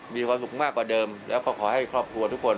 มีความสุขมากกว่าเดิมแล้วก็ขอให้ครอบครัวทุกคน